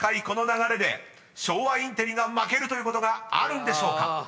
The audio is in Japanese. この流れで昭和インテリが負けるということがあるんでしょうか⁉］